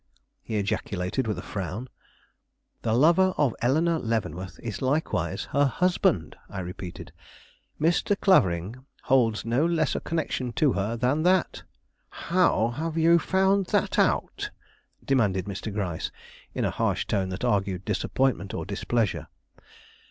he ejaculated with a frown. "The lover of Eleanore Leavenworth is likewise her husband," I repeated. "Mr. Clavering holds no lesser connection to her than that." "How have you found that out?" demanded Mr. Gryce, in a harsh tone that argued disappointment or displeasure.